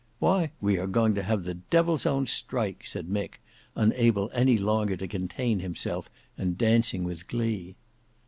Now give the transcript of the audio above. "Why we are going to have the devil's own strike," said Mick unable any longer to contain himself and dancing with glee.